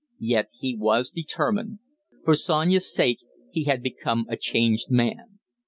Yet he was determined. For Sonia's sake he had become a changed man.